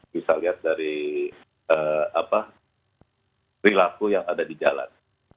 bisa lihat dari perilaku yang ada di jalan